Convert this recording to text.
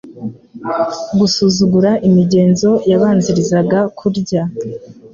Gusuzugura imigenzo yabanzirizaga kurya,